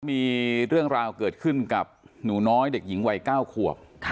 มีเรื่องราวเกิดขึ้นกับหนูน้อยเด็กหญิงวัย๙ขวบ